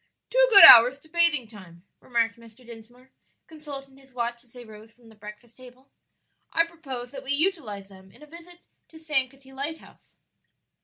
"Two good hours to bathing time," remarked Mr. Dinsmore, consulting his watch as they rose from the breakfast table. "I propose that we utilize them in a visit to Sankaty lighthouse."